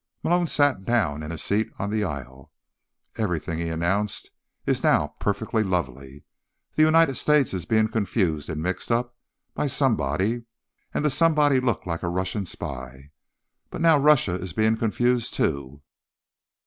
Malone sat down in a seat on the aisle. "Everything," he announced, "is now perfectly lovely. The United States is being confused and mixed up by somebody, and the Somebody looked like a Russian spy. But now Russia is being confused, too."